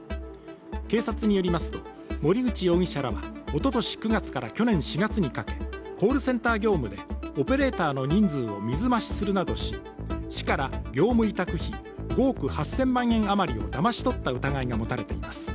警察によりますと、森口容疑者らはおととし９月から去年４月にかけコールセンター業務でオペレーターの人数を水増しするなどし、市から業務委託費５億８０００万円余りをだまし取った疑いが持たれています。